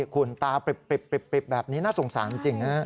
คุณตาปริบแบบนี้น่าสงสารจริงนะ